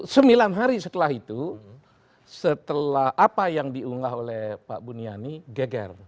sembilan hari setelah itu setelah apa yang diunggah oleh pak buniani geger